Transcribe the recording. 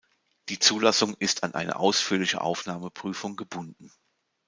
Die Zulassung ist an eine ausführliche Aufnahmeprüfung gebunden.